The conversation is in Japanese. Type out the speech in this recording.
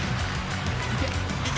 いけ。